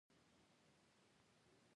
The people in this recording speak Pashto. دې لیکنې د برټانیې سیاستمدار را نقلوي.